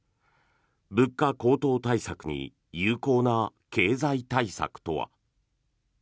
物価高騰対策に有効な経済対策とは。